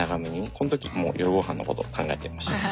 こん時もう夜ごはんのこと考えてましたね。